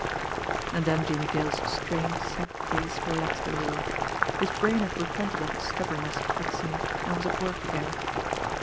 And then Jimmie Dale's strained, set face relaxed a little. His brain had repented of its stubbornness, it seemed, and was at work again.